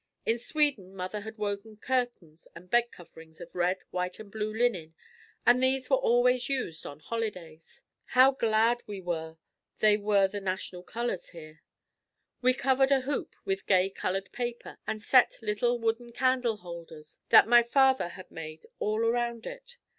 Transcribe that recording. In Sweden mother had woven curtains and bed coverings of red, white and blue linen and these were always used on holidays. How glad we were they were the national colors here! We covered a hoop with gay colored paper and set little wooden candle holders that my father had made all around it.